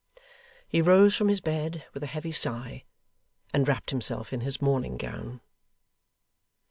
He rose from his bed with a heavy sigh, and wrapped himself in his morning gown.